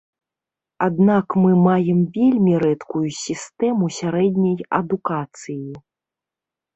Аднак мы маем вельмі рэдкую сістэму сярэдняй адукацыі.